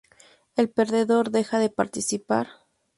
El perdedor deja de participar.